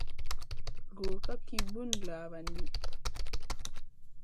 Gro ka ki bùn glavandi.